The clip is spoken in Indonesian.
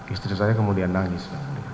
istri saya kemudian nangis